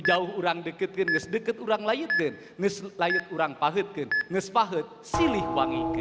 jauh orang deket deket orang layut layut orang pahit pahit silih wangi